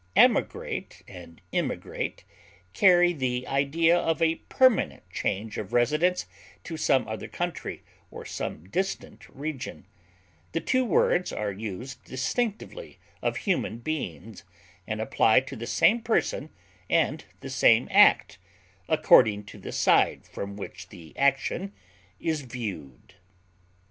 Emigrate and immigrate carry the idea of a permanent change of residence to some other country or some distant region; the two words are used distinctively of human beings, and apply to the same person and the same act, according to the side from which the action is viewed.